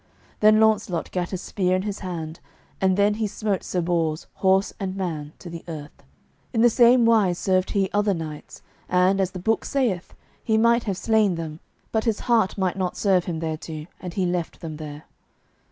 Then Launcelot gat a spear in his hand, and then he smote Sir Bors horse and man to the earth. In the same wise served he other knights, and, as the book saith, he might have slain them, but his heart might not serve him thereto, and he left them there.